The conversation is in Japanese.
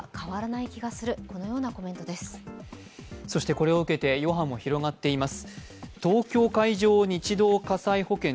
これを受けて、余波も広がっています。